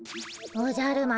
おじゃる丸